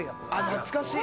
懐かしい。